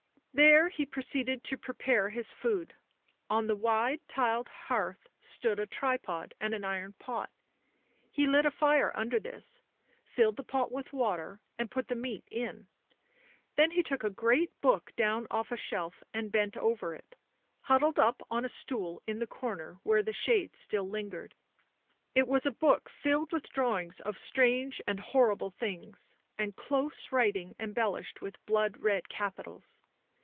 There he proceeded to pre pare his food ; on the wide tiled hearth stood a tripod and an iron pot ; he lit a fire under this, filled the pot with water and put the meat in; then he took a great book down off a shelf and bent over it, huddled up on a stool in the corner where the shade still lingered. It was a book filled with drawings of strange and hor rible things, and close writing embellished with blood red capitals.